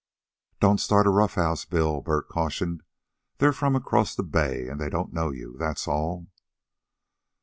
"Don't start a rough house, Bill," Bert cautioned. "They're from across the bay an' they don't know you, that's all."